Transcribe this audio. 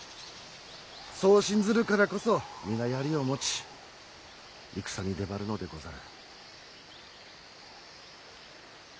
そう信ずるからこそ皆槍を持ち戦に出張るのでござる。